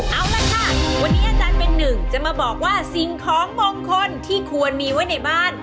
เอาล่ะค่ะวันนี้อาจารย์เป็นหนึ่งจะมาบอกว่าสิ่งของมงคลที่ควรมีไว้ในบ้าน